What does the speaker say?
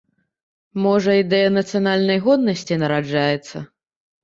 Можа, ідэя нацыянальнай годнасці нараджаецца?